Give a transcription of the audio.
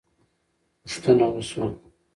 پوښتنه وسوه.